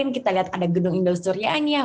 kita lihat ada gedung indosurianya